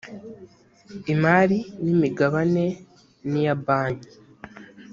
imari n imigabane niya banki